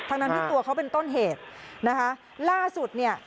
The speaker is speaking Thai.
ทั้งนั้นที่ตัวเขาเป็นต้นเหตุนะคะล่าสุดเนี่ย